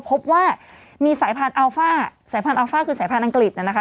พบว่ามีสายพันธุอัลฟ่าสายพันธอัลฟ่าคือสายพันธ์อังกฤษน่ะนะคะ